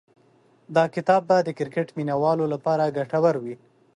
دا کتاب به د کرکټ مینه والو لپاره ګټور وي.